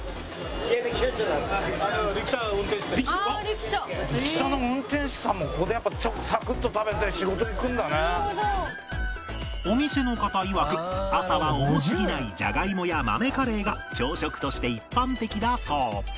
リクシャーの運転手さんもここでやっぱお店の方いわく朝は多すぎないジャガイモや豆カレーが朝食として一般的だそう